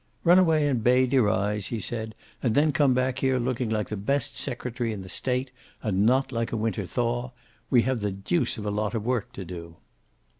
"Run away and bathe your eyes," he said, "and then come back here looking like the best secretary in the state, and not like a winter thaw. We have the deuce of a lot of work to do."